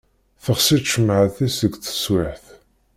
Texṣi tcemmaεt-is deg teswiεt.